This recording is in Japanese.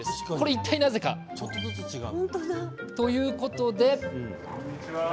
いったいなぜか？ということで。